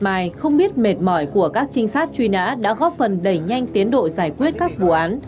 mài không biết mệt mỏi của các trinh sát truy nã đã góp phần đẩy nhanh tiến độ giải quyết các vụ án